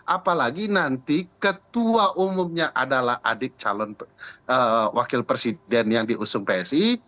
apalagi nanti ketua umumnya adalah adik calon wakil presiden yang diusung psi